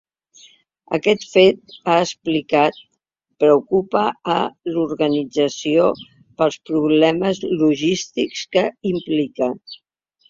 Aquest fet, ha explicat, ‘preocupa’ a l’organització pels problemes logístics que implica.